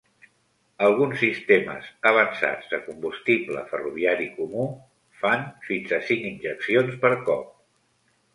Alguns sistemes avançats de combustible ferroviari comú fan fins a cinc injeccions per cop.